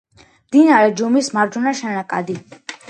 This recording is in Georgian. მდინარე ჯუმის მარჯვენა შენაკადი.